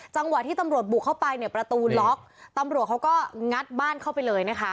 จังหวะที่ตำรวจบุกเข้าไปเนี่ยประตูล็อกตำรวจเขาก็งัดบ้านเข้าไปเลยนะคะ